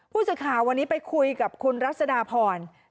ผู้สื่อข่าววันนี้ไปคุยกับคุณรัศดาพร